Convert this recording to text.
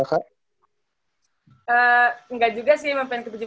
enggak juga sih mau